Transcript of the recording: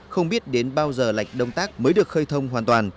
không biết đến bao giờ lạch đông tác mới được khơi thông hoàn toàn